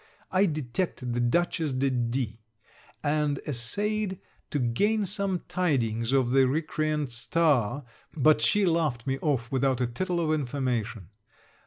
I detected the Dutchess de D ; and essayed to gain some tidings of the recreant star, but she laughed me off without a tittle of information.